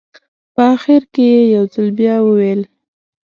په اخره کې یې یو ځل بیا وویل.